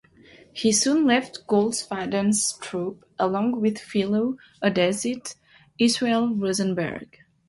He soon left Goldfaden's troupe along with fellow odessite Israel Rosenberg.